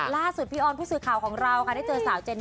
ล่าสุดพี่ออนผู้สื่อข่าวของเราค่ะได้เจอสาวเจนนี่